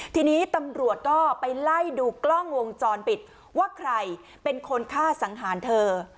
ทีนี้ตำรวจก็ไปไล่ดูกล้องวงจรปิดว่าใครเป็นคนฆ่าสังหารเธอ